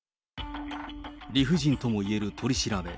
理不尽ともいえる取り調べ。